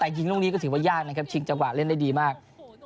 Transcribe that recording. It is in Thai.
แต่ยิงตรงนี้ก็ถือว่ายากชิงจังหวะเล่นได้ดีมาก